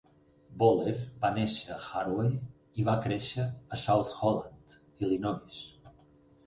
Boller va néixer a Harvey i va créixer a South Holland, Illinois.